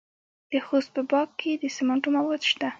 د خوست په باک کې د سمنټو مواد شته.